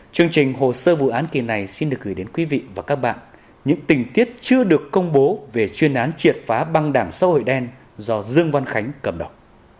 chương trình hồ sơ vụ án kỳ này xin được gửi đến quý vị và các bạn những tình tiết chưa được công bố về chuyên án triệt phá băng đảng xã hội đen do dương văn khánh cầm đọc